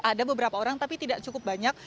ada beberapa orang tapi tidak cukup banyak